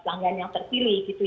pelanggan yang terpilih gitu